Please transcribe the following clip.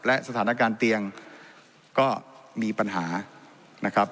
และสถานการณ์เตียงก็มีปัญหานะครับ